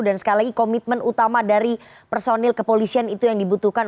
dan sekali lagi komitmen utama dari personil kepolisian itu yang dibutuhkan